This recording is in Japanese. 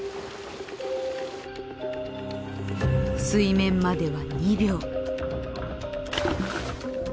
水面までは２秒。